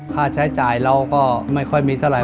ค่าใช้จ่ายเราก็ไม่ค่อยมีเท่าไห